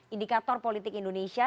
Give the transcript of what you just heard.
indikator politik indonesia